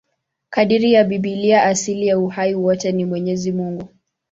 Kadiri ya Biblia, asili ya uhai wote ni Mwenyezi Mungu.